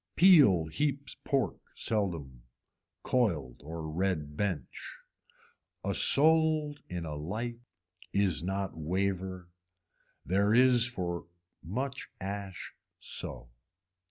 Peel heaps pork seldom. Coiled or red bench. A soled in a light is not waver. There is for much ash so.